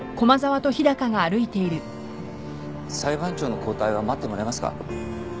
裁判長の交代は待ってもらえますか。